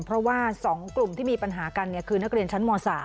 เพราะว่า๒กลุ่มที่มีปัญหากันคือนักเรียนชั้นม๓